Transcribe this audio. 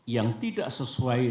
yang tidak sesuai